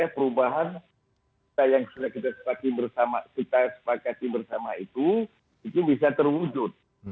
perubahan kita yang sudah kita sepakati bersama itu itu bisa terwujud